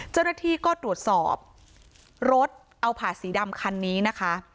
เจ้าหน้าที่ก็ตรวจสอบรถเอาผ่าสีดำคันนี้นะคะ